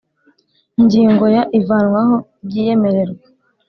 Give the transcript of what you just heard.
Ingingo ya ivanwaho ry iyemererwa